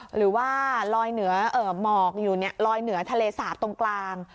หรือว่าลอยเหนือหมอกอยู่ลอยเหนือทะเลสาบตรงกลาง